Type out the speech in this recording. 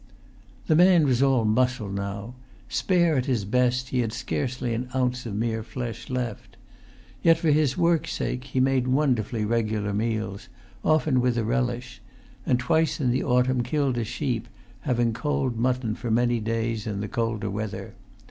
The man was all muscle now; spare at his best, he had scarcely an ounce of mere flesh left. Yet, for his work's sake, he made wonderfully regular meals, often with a relish; and twice in the autumn killed a sheep, having cold mutton for many days in the colder weather.